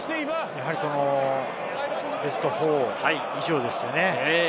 やはりベスト４以上ですよね。